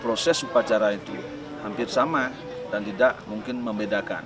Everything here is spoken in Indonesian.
proses upacara itu hampir sama dan tidak mungkin membedakan